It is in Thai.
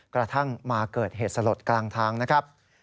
กระทั่งมาเกิดเหตุสลดกลางทางนะครับ